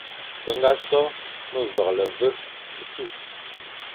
Be ñga sô memveghe ve tu,